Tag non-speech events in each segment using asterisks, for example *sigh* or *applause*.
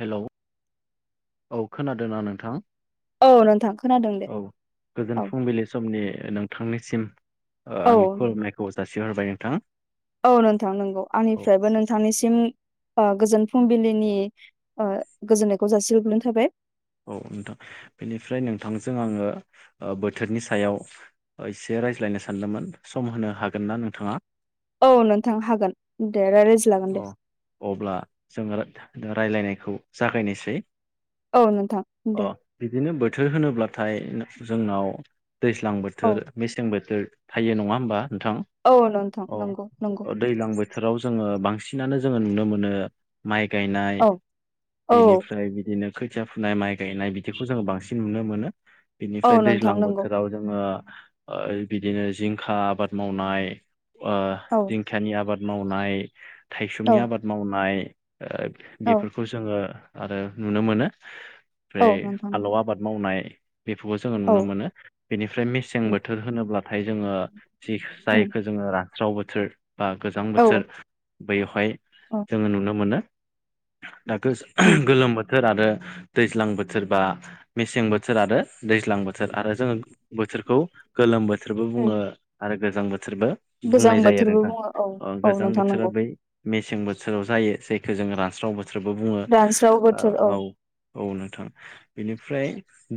Hello औ खोनादोंना नोंथां? औ नोंथां खोनादों दे। औ गोजोन औ फुंबिलि समनि नोंथांनिसिम औ आंनि खुलुमनायखौ जासि हरबाय नोंथां। औ नोंथां नंगौ औ आंनिफ्रायबो नोंथांनिसिम गोजोन फुंबिलिनि गोजोननायखौ जासिगोब्लोनो थाबाय। औ नोंथां बेनिफ्राय नोंथांजों आङो बोथोरनि सायाव एसे रायज्लायनो सानदोंमोन सम होनो हागोन ना नोंथाङा? औ नोंथां हागोन दे। अ दे अब्ला जोङो रायज्लायनायखौ जागायनोसै औ नोंथां अ दे बिदिनो बोथोर होनोब्लाथाय जोंनाव दैज्लां औ बोथोर मेसें बोथोर थायो नङा होमबा नोंथां औ नोंथां औ नंगौ नंगौ दैज्लां बोथोराव जोङो बांसिनानो जोङो नुनो मोनो माइ गायनाय औ औ बेनिफ्राय बिदिनो खोथिया फुनाय माइ गायनाय बिदिखौ जोङो बांसिन नुनो मोनो औ बिनिफ्राय नोंथां दैज्लां नंगौ बोथोराव जोङो बिदिनो जिंखा आबाद मावनाय औ खायानि आबाद मावनाय थायसुमनि औ आबाद मावनाय औ बेफोरखौ खौ जोङो आरो नुनो मोनो औ ओमफ्राय नोंथां नंगौ फालौ आबाद मावनाय बेफोरखौ जोङो औ नुनो मोनो। बेनिफ्राय मेसें उम बोथोर होनोब्लाथाय जोङो जि उम जायखौ जोङो रानस्राव बोथोर बा गोजां औ बोथोर बैयावहाय औ जोङो नुनो मोनो। दा उम गोलोम बोथोर आरो दैज्लां बोथोरबा मेसें बोथोर आरो दैज्लां बोथोर आरो जोङो बोथोरखौ गोलोम बोथोर बोथोरबो उम बुङो आरो गोजां बोथोरबो गोजां बुंनाय जायो आरो बोथोरबो बुङो औ नोंथां औ गोजां बोथोर नोंथां नंगौ मेसें बोथोराव जायो जायखौ जों रानस्राव बोथोरबो बुङो रानस्राव बोथोर औ औ नोंथां बेनिफ्राय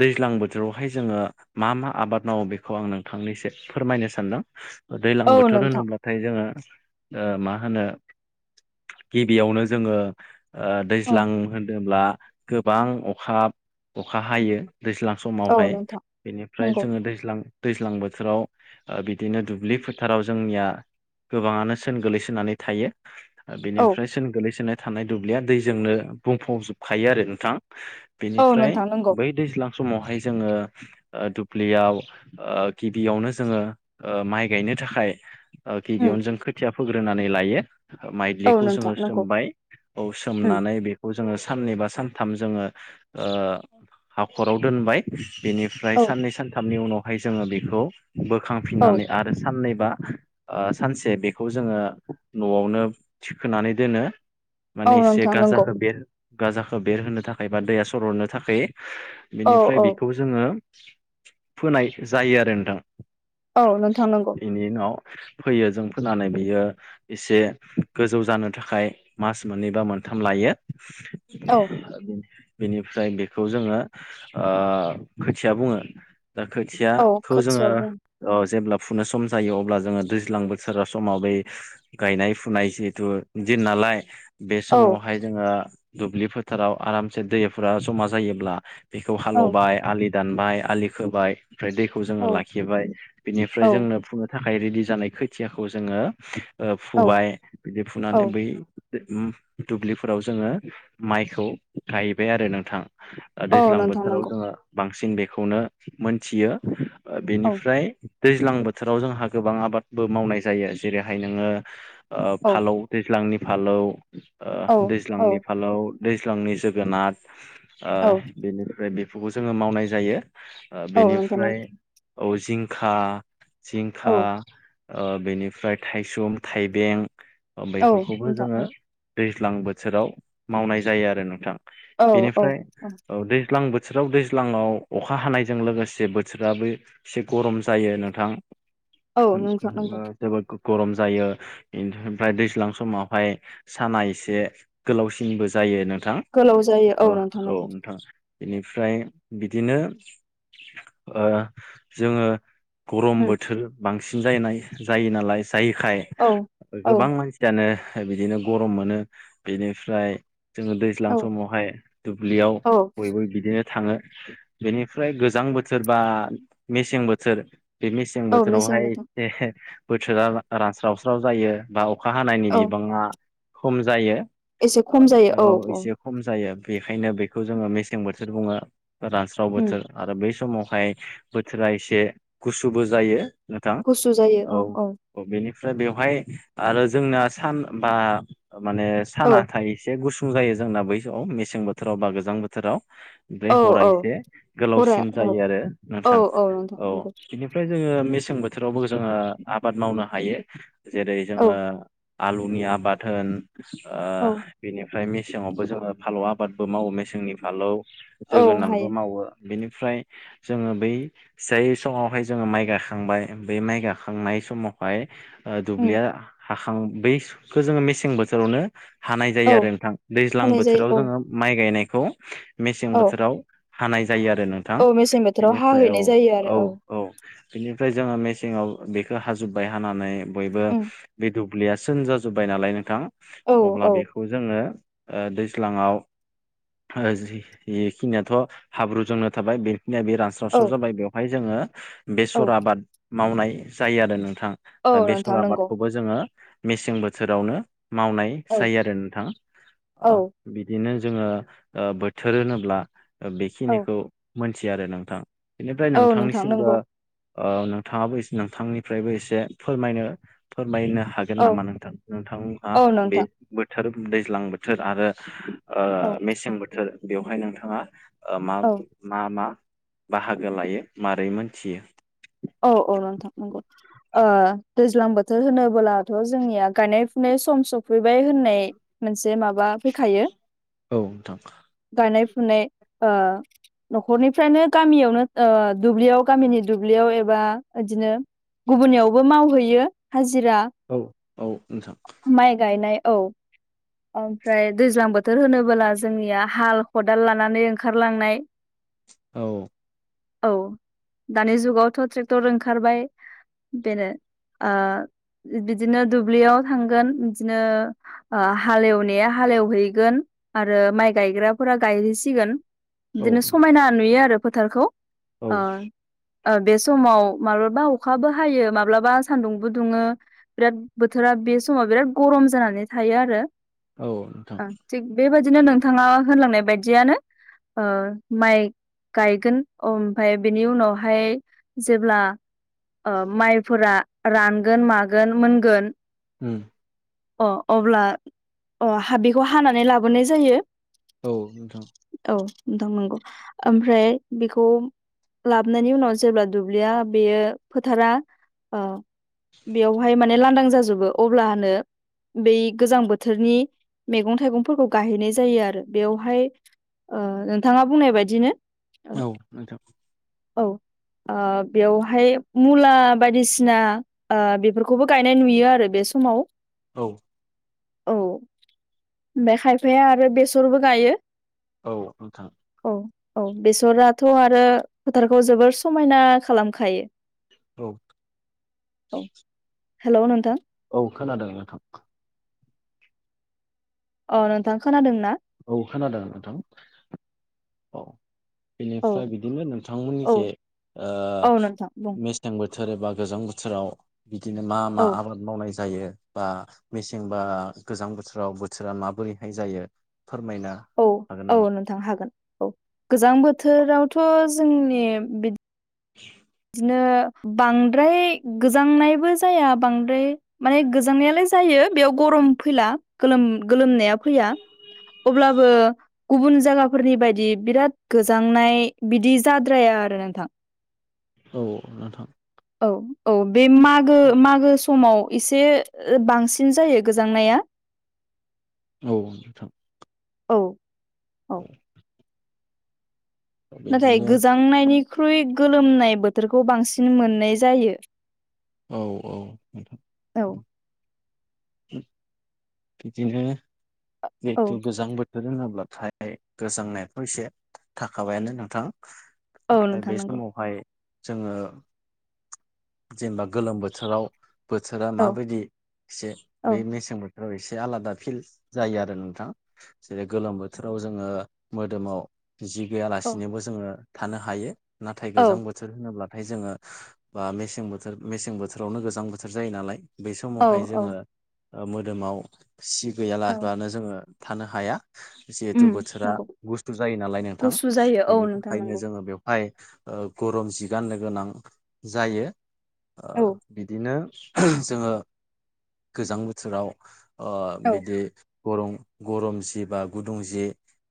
दैज्लां बोथोरावहाय जोङो मा मा आबाद मावो बेखौ आं नोंथांनिसो फोरमायनो सानदों दैज्लां औ बोथोर नोंथां होनोब्लाथाय जोङो मा मा होनो गिबियावनो जोङो औ दैज्लां होनदोंब्ला गोबां अखा अखा हायो दैज्लां औ समावहाय नोंथां बेनिफ्राय नंगौ जोङो दैज्लां दैज्लां बोथोराव ओ बिदिनो दुब्लि फोथाराव जोंनिया गोबाङानो सोन गोलैसोनानै थायो औ बेनिफ्राय बांसिन गोग्लैसोनाय थानाय दुब्लिया दैजोंनो बुंफबजोबखायो आरो नोंथां औ बेनिफ्राय नोंथां नंगौ बै दैज्लां समावहाय जोङो ओ दुब्लियाव ओ गिबियावनो जोङो माइ गायनो थाखाय उम गिबियावनो जों खोथिया फोग्रोनानै लायो औ माइदिलिखौ नोंथां जोङो नंगौ सोमबाय औ उम सोमनानै बे खौ जोङो साननै बा सानथाम जोङो हाखराव दोनबाय बेनिफ्राय औ साननै सानथामनि उनावहाय जोङो बेखौ औ बोखांफिननानै आरो साननैबा सानसे बेखौ जोङो न'आवनो थिखोनानै दोनो औ माने एसे नोंथां नंगौ गाजाखौ बे गाजाखौ बेरहोनो थाखाय बा दैया सरहरनो थाखाय औ बिनिफ्राय औ बेखौ जोङो फोनाय जायो आरो नोंथां औ नोंथां नंगौ बेनि उनाव फैयो जों फोनानै बेयो एसे गोजौ जानो थाखाय मास मोननै बा मोनथाम लायो। *inaudible* औ बेनिफ्राय बेखौ जोङो ओ खोथिया बुङो। दा औ खोथियाखौ जोङो खोथिया बुं औ जेब्ला फुनो सम जायो अब्ला जोङो दैज्लां बोथोरा समाव बै गायनाय फुनाय जिहथु दिन नालाय बे औ समावहाय जोङो दुब्लि फोथाराव आरामसे दैफोरा जमा जायोब्ला बेखौ औ हालेवबाय आलि दानबाय आलि खोबाय ओमफ्राय दैखौ जोङो औ लाखिबाय बिनिफ्राय औ जोंनो फु थाखाय रेडि जानाय खोथियाखौ जोङो ओ औ फुबाय बिदि औ फुनानै बै दुब्लिफोराव जोङो माइखौ गायबाय आरो नोंथां। औ दैज्लां नोंथां बोथोराव नंगौ जोङो बांसिन बेखौनो मोनथियो औ बेनिफ्राय दैज्लां बोथोराव जोंहा गोबां आबादबो मावनाय जायो जेरैहाय नोङो ओ औ फालौ दैज्लांनि फालौ औ दैज्लांनि फालौ दैज्लांनि जोगोनार औ बेनिफ्राय बेफोरखौ जोङो मावनाय जायो। औ नोंथां नंगौ बेनिफ्राय औ जिंखा औ जिंखा ओ बेनिफ्राय थायसुम थाइबें औ बेफोरखौबो नोंथां जोङो नंगौ दैज्लां बोथोराव मावनाय जायो आरो नोंथां औ औ बेनिफ्राय दैज्लां बोथोर बोथोराव दैज्लाङाव अखा हानायजों लोगोसे बोथोराबो एसे गरम जायो नोंथां। औ नोंथां नंगौ जोबोद गरम जायो ओमफ्राय दैज्लां समावहाय साना एसे गोलावसिनबो जायो नों गोलाव जायो औ नोंथां नोंगौ। बेनिफ्राय बिदिनो ओ जोङो गरम उम बोथोर बांसिन जायनाय जायो नालाय जायैखाय औ औ गोबां मानसि जानो बिदिनो गरम मोनो बिनिफ्राय जोङो दैज्लां औ समावहाय दुब्लियाव औ बयबो बिदिनो थाङो बेनिफ्राय गोजां बोथोर बा मेसें बोथोर बे मेसें औ मेसें बोथोरावहाय बोथोर बोथोरा रानस्रावस्राव जायो बा अखा हानायनि औ बिबाङा खम जायो। एसे खम जायो औ औ खम जायो बेखायनो बेखौ जोङो मेसें बोथोर बुङो रानस्राव उम बोथोर आरो बै समावहाय बोथोरा एसे गुसुबो जायो नोंथां औ बेनिफ्राय बेवहाय आरो जोंनाया सान बा माने औ साना थ एसे गुसुं जायो जोंना बै समआव मेसें बोथोराव बा गोजां बोथोराव। बेफ्राय औ हरा औ एसे हरा गोलावसिन औ जायो आरो औ नोंथां नोंथां औ नंगौ बिदिनो ओमफ्राय जोङो मेसें बोथोरावबो जोङो आबाद मावनो हायो जेरै जोङो औ ओ आलुनि आबाद होन ओ औ बेनिफ्राय मेसेंावबो जोङो फालौ आबादबो मावो मेसेंनि फालौ औ जोगोनारबो हायो मावो। बेनिफ्राय जोङो बै जाय समावहाय जोङो माइ गायखांबाय बेै माइ गायखांनाय समाव बाय उम दुब्लिया हाखां बैखौ जोङो मेसें बोथोरावनो हानाय औ जायो आरो नोंथां दैज्लां होनाय बोथोराव जायो औ जोङो माइ गायनायखौ मेसें औ बोथोराव हानाय जायो आरो नों औ मेसें बोथोराव हाहैनाय जायो आरो औ औ बिनिफ्राय जोङो मेसेंङाव बेखौ हाजोब्बाय हानानै बयबो उम बे दुब्लिया सोरोन जाजोब्बाय नालाय नोंथां औ अब्ला औ बेखौ जोङो दैज्लाङाव बेखिनियाथ हाब्रु जोंनो थाबाय बे खिनिया बे रानस्रावस्राव औ जाबाय बेवहाय जोङो बेसर औ आबाद मावनाय जायो आरो नोंथां। औ दा बेसर नोंथां नंगौ आबादखौबो जोङो मेसें बोथोरावनो मावनाय औ जायो आरो नोंथां औ बिदिनो जोङो बोथोर होनोब्ला औ बेखिनिखौ मोनथियो आरो नोंथां बेनिफ्राय औ नोंथां नोंथांनिसिमबो नंगौ ओ नोंथाङाबो नोंथांनिफ्रायबो एसे फोरमायनो फोरमायनो हा हागोन औ नामा नोंथां नोंथाङा औ बे नोंथां बोथोर दैज्लां बोथोर आरो औ मेसें बोथोर बेवहाय नोंथाङा मा औ मा मा बाहागो लायो मारै मोनथियो औ औ नोंथां नंगौ दैज्लां बोथोर होनोबोलाथ जोंनिया गायनाय फुनाय सम सफैबाय होनो नाय मोनसे माबा फैखायो औ नोंथां गायनाय फुनाय न'खरनिफ्रायनो गामियावनो दुब्लियाव गामिनि दुब्लियाव एबा बिदिनो गुबुननियावबो मावहैयो हाजिरा औ औ नोंथां माइ गायनाय औ ओमफ्राय दैज्लां बोथोर होनोबोला जोंनिया हाल खदाल लानानै ओंखारलांनाय औ औ दानि जुगावथ' ट्रेक्टर ओंखारबाय बेनो बिदिनो दुब्लियाव थांगोन बिदिनो हालेवनाया हालेवहैगोन आरो माइ गायग्राफोरा गायहैसिगोन औ बिदिनो नोंथां समायना नुयो आरो फोथारखौ औ ओ ओ बे समाव माब्लाबा अखाबो हायो माब्लाबा सान्दुंबो दुङो बिराद बोथोरा बे समाव बिराद गरम जानानै थायो आरो औ नोंथां ओ थिग बेबायदिनो नोंथाङा होनलांनाय बायदियानो माइ गायगोन ओमफाय बेनि उनावहाय जेब्ला माइफोरा रानगोन मागोन मोनगोन उम अ अब्ला अ हा बेखौ हानानै लाबोनाय जायो औ नोंथां औ नोंथां नगौ ओमफ्राय बेखौ लाबोननि उनाव जेब्ला दुब्लिया बेयो फोथारा बेयावहाय माने लांदां जाजोबो अब्लानो बै गोजां बोथोरनि मैगं थाइगंफोरखौ गाहैनाय जायो आरो बेवहाय नोंथाङा बुंनाय बायदिनो औ नोंथां औ बेवहाय मुला बायदिसिना बेफोरखौबो गायनाय नुयो आरो बे समाव औ औ ओमफ्राय खायफाया आरो बेसरबो गायो औ नोंथां औ औ बेसराथ' आरो फोथारखौ जोबोर समायना खालामखायो औ औ हेल' नोंथां औ खोनादों नोंथां अ नोंथां खोनादों ना औ खोनादों नोंथां औ औ बेनिफ्राय बिदिनो औ नोंथांमोननिखै ओ औ नोंथां बुं मिस थां बोथोर एबा गोजां बोथोराव बिदिनो मा मा औ आबाद मावनाय जायो बा मेसें बा गोजां बोथोराव बोथोरा माबोरैहाय जायो फोरमायना औ-औ नोंथां हागोन औ गोजां बोथोरावथ' जोंनि बि *inaudible* बिदिनो बांद्राय गोजांनायबो जाया बांद्राय माने गोजांनायालाय जायो बेयाव गरम फैला गोलोम गोलोमनाया फैया अब्लाबो गुबुन जायगाफोरनि बायदि बिराद गोजांनाय बिदि जाद्राया आरो नोंथां औ नोंथां औ-औ बे मागो मागो समाव एसे बांसिन जायो गोजांनाया औ नोंथां औ औ नाथाय बिदिनो गोजांनायनिख्रुइ गोलोमनाय बोथोरखौ बांसिन मोननाय जायो औ औ नोंथां औ बिदिनो औ जिहेथु गोजां बोथोर रोङाब्लाथाय गोजांनायाथ एसे थाखाबायानो नोंथां औ ओमफ्राय नोंथां बे नंगौ समावहाय जोङो जेनेबा गोलोम बोथोराव बोथोरा औ माबायदि एसे औ बै मेसें बोथोराव एसे आलादा फिल जायो आरो नोंथां जेरै गोलोम बोथोराव जोङो मोदोमाव जि औ गैयालासिनोबो जोङो थानो हायो नाथाय औ गोजाम बोथ बोथोर होनोब्लाथाय जोङो बा मेसें बोथोर मेसें बोथोरावनो गोजां बोथोर जायो नालाय बै औ समावहाय औ जोङो मोदोमाव सि औ गैयालाबानो जोङो थानो हाया जिहेथु उम बोथोरा नंगौ बुस्थु जायो नालाय नोंथां गुसु जायो औ बेनि नोंथां थाखायनो नंगौ जोङो बेयाव फाय गरम जिगाननो गोनां जायो औ बिदिनो जोङो गोजां बोथोराव ओ औ बिदि गरम गरम जि बा गुदुं जि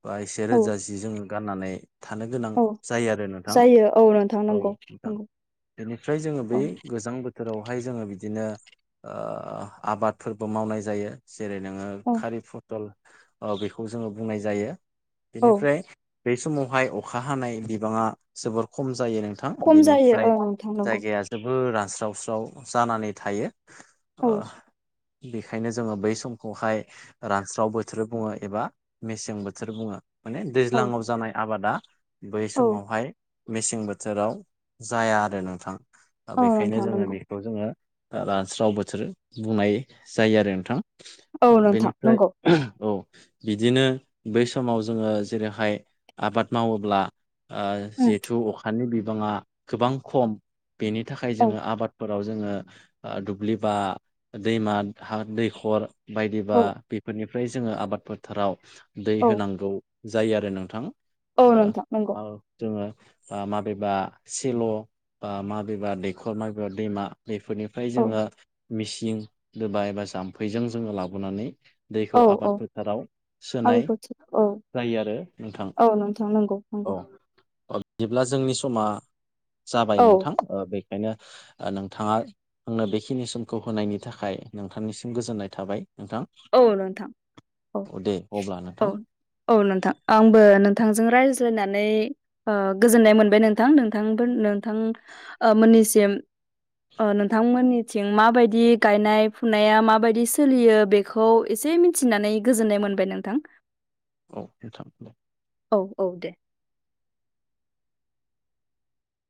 बा एसे औ रोजा जि जोङो गाननानै थानो गोनां औ जायो आरो नोंथां जायो औ नोंथां औ नंगौ नोंथां नंगौ बेनिफ्राय जोङो बै औ गोजां बोथ बोथोरावहाय जोङो बिदिनो आबादफोरबो मावनाय जायो जेरै नोङो औ खारि फथल ओ बेखौ जोङो बुंनाय जायो औ बेनिफ्राय बे समावहाय अखा हानाय बिबाङा जोबोर खम जायो नोंथां खम जायो औ बेनिफ्राय नोंथां नंगौ जायगाया जोबोर रानस्रावस्राव जानानै थायो औ अ ओंखायनो जोङो बै समखौहाय रानस्राव बोथोर बुङो एबा मेसें बोथोर बुङो माने औ दैज्लाङाव जानाय आबादा बै औ समावहाय मेसें बोथोराव जाया आरो नोंथां दा औ बेखायनो नोंथां जोङो नंगौ बे खौ जोङो ओ रानस्राव बोथोर बुंनाय जायो आरो नोंथां औ नोंथां बेनिफ्राय नंगौ औ बिदिनो बै समाव जोङो जेरैहाय आबाद मावोब्ला ओ उम जिहेथु अखानि बिबाङा गोबां खम बेनि थाखाय औ जोङो आबाद फोराव जोङो ओ दुब्लि बा दैमा हा दैखर बायदिबा औ बेफोरनिफ्राय जोङो आबाद फोथाराव दै औ होनांगौ जायो आरो नोंथां औ नोंथां नंगौ औ जोङो ओ माबेबा सेल' बा माबेबा दैखर माबेबा दैमा बेफोरनिफ्राय औ जोङो मिसिं दोबा एबा जाम्फैजों जोङो लाबोनानै दैखौ औ आबाद औ फोथाराव सोनाय आबुखौ औ जायो आरो नोंथां औ नोंथां नंगौ औ नंगौ बिदिब्ला जोंनि समा जाबाय औ नोंथां ओ बेखायनो ओ नोंथाङा आंनो बेखिनि समखौ होनायनि थाखाय नोंथांनिसिम गोजोननाय थाबाय नोंथां औ नोंथां औ दे अब्ला नोंथां औ औ नोंथां आंबो नोंथांजों रायज्लायनानै ओ गोजोननाय मोनबाय नोंथां नोंथांफोर नोंथां ओ मोननिसिम ओ नोंथांमोननिथिं माबायदि गायनाय फुनाया माबायदि सोलियो बे खौ एसे मिथिनानै गोजोन्नाय मोनबाय नोंथां औ नोंथां दे औ औ दे